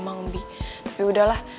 emang bi tapi udahlah